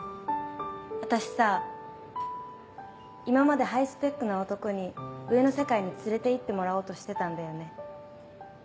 私さ今までハイスペックな男に上の世界に連れて行ってもらおうとしてたんだよね。